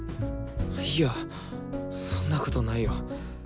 いやそんなことないよ。